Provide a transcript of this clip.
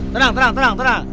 tenang tenang tenang